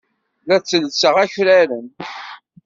La ttellseɣ akraren.